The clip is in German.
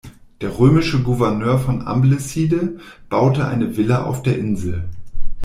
Der römische Gouverneur von Ambleside baute eine Villa auf der Insel.